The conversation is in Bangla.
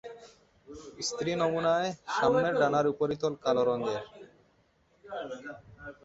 স্ত্রী নমুনায়, সামনের ডানার উপরিতল কালো রঙের।